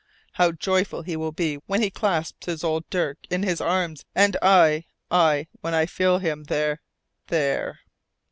How joyful he will be when he clasps his old Dirk in his arms, and I I, when I feel him, there, there."